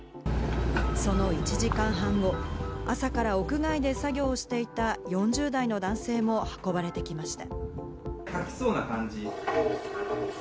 その１時間半後、朝から屋外で作業をしていた４０代の男性も運ばれてきました。